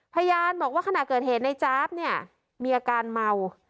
พยานบอกว่าขณะเกิดเหตุในจ๊าบเนี่ยมีอาการเมา